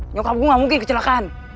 nyokap gue gak mungkin kecelakaan